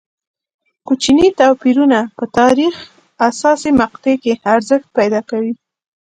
کوچني توپیرونه په تاریخ حساسې مقطعې کې ارزښت پیدا کوي.